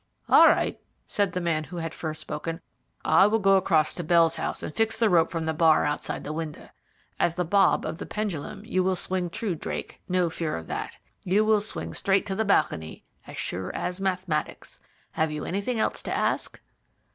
"All right," said the man who had first spoken, "I will go across to Bell's house and fix the rope from the bar outside the window. As the bob of the pendulum you will swing true, Drake, no fear of that. You will swing straight to the balcony, as sure as mathematics. Have you anything else to ask?"